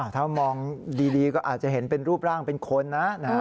ถ้ามองดีก็อาจจะเห็นเป็นรูปร่างเป็นคนนะ